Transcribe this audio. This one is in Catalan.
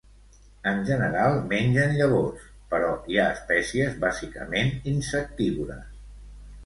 En general mengen llavors, però hi ha espècies bàsicament insectívores.